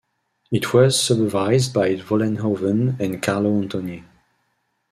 It was supervised by Vollenhoven and Carlo Antoni.